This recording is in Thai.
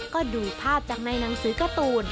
ก็ดูภาพจากในหนังสือการ์ตูน